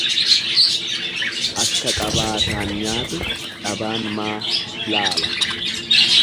Akka qabaataan nyaatu dhabaan maa laala.